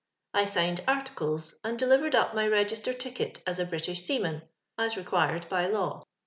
I signu<i articlca, and delivered up my register ticket iia a British seaman, as required by law.